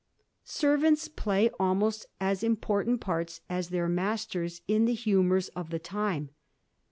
Servants play almost as important parts as their masters in the humours of the time.